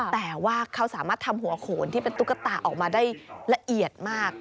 แต่ว่าเขาสามารถทำหัวโขนที่เป็นตุ๊กตาออกมาได้ละเอียดมาก